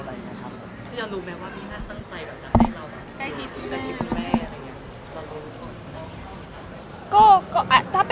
แล้วน้ำน้ำก์เลยง่ายซิ